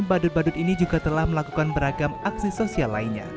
badut badut ini juga telah melakukan beragam aksi sosial lainnya